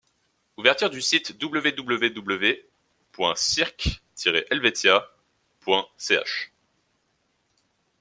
Ouverture du site www.cirque-helvetia.ch.